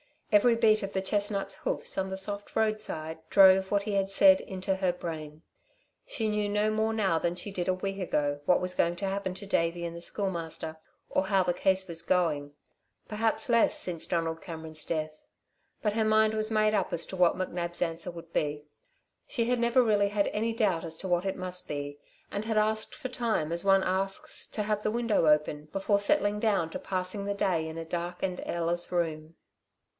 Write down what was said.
Every beat of the chestnut's hoofs on the soft roadside drove what he had said into her brain. She knew no more now than she did a week ago what was going to happen to Davey and the Schoolmaster, or how the case was going. Perhaps less, since Donald Cameron's death. But her mind was made up as to what McNab's answer would be. She had never really had any doubt as to what it must be, and had asked for time as one asks to have the window open before settling down to passing the day in a dark and airless room.